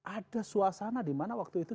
ada suasana dimana waktu itu